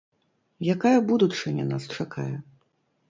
Якая будучыня нас чакае?